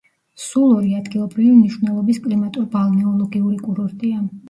სულორი ადგილობრივი მნიშვნელობის კლიმატურ-ბალნეოლოგიური კურორტია.